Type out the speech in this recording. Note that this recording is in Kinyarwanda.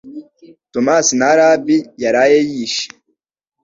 Tomasi nta alibi yaraye yishe